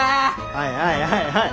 はいはいはいはい。